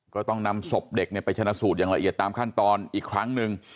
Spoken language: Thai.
ก็ต้องนำศพเด็กไปชนะสูตรอย่างละเอียดตามขั้นตอนอีกครั้งหนึ่ง